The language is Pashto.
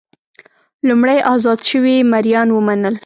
لومړی ازاد شوي مریان ومنل.